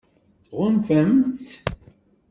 Tɣunfamt-tt?